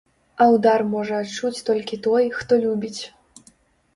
А ўдар можа адчуць толькі той, хто любіць.